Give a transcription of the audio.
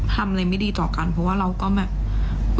ทำอะไรไม่ดีต่อกันเพราะว่าเราก็แบบ